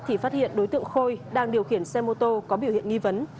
thì phát hiện đối tượng khôi đang điều khiển xe mô tô có biểu hiện nghi vấn